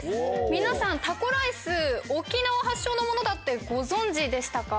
皆さんタコライス沖縄発祥のものだってご存じでしたか？